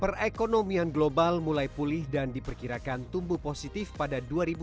perekonomian global mulai pulih dan diperkirakan tumbuh positif pada dua ribu dua puluh